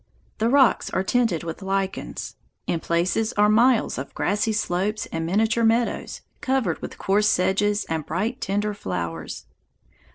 The rocks are tinted with lichens. In places are miles of grassy slopes and miniature meadows, covered with coarse sedges and bright tender flowers.